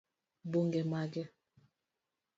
Buge mage?